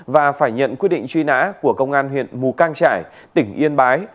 và phải nhận quyết định truy nã của công an huyện mù cang trải tỉnh yên bái